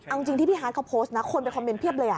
เอาจริงที่พี่ฮาร์ดเขาโพสต์นะคนไปคอมเมนต์เพียบเลย